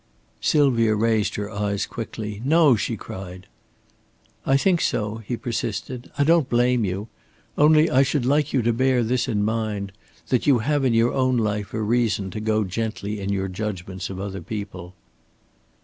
Sylvia raised her eyes quickly. "No!" she cried. "I think so," he persisted. "I don't blame you. Only I should like you to bear this in mind; that you have in your own life a reason to go gently in your judgments of other people."